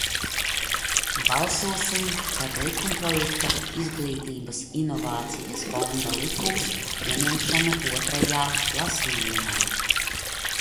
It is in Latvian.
"Balsosim par likumprojekta "Izglītības inovācijas fonda likums" pieņemšanu otrajā lasījumā!"